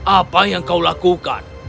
apa yang kau lakukan